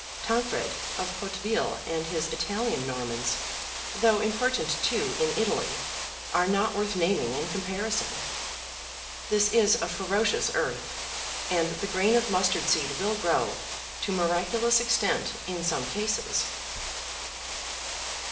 Tancred of Hauteville and his Italian Normans, though important too, in Italy, are not worth naming in comparison. This is a feracious earth, and the grain of mustard seed will grow to miraculous extent in some cases.